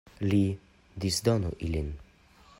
Li disdonu ilin.